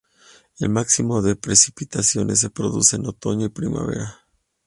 El máximo de precipitaciones se produce en otoño y primavera.